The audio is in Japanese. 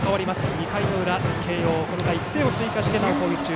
２回の裏、慶応はこの回、１点を追加してなお攻撃中。